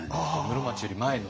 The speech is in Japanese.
室町より前の。